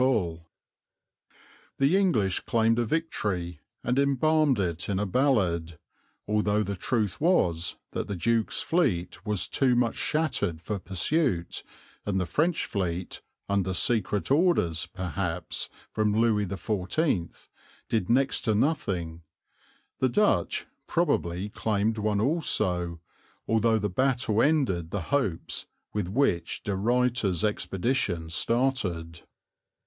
[Illustration: SOUTHWOLD HARBOUR] The English claimed a victory and embalmed it in a ballad, although the truth was that the Duke's fleet was too much shattered for pursuit and the French fleet, under secret orders, perhaps, from Louis XIV, did next to nothing; the Dutch, probably, claimed one also, although the battle ended the hopes with which De Ruyter's expedition started.